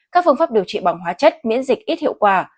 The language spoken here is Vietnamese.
các phương pháp điều trị bằng hóa chất miễn dịch ít hiệu quả